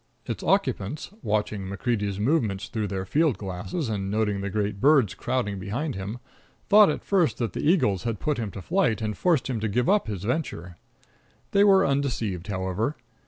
Its occupants, watching MacCreedy's movements through their field glasses, and noting the great birds crowding behind him, thought at first that the eagles had put him to flight and forced him to give up his venture. They were undeceived, however.